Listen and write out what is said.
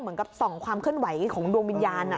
เหมือนกับส่องความขึ้นไหวของดวงวิญญาณ